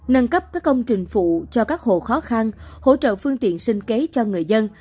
nâng cấp các công trình phụ cho các hộ khó khăn hỗ trợ phương tiện sinh kế cho người dân